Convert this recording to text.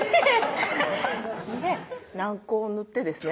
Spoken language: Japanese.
軟膏を塗ってですね